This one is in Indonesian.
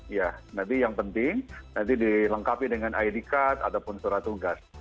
iya nanti yang penting nanti dilengkapi dengan id card ataupun surat tugas